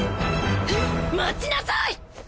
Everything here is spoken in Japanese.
待ちなさい！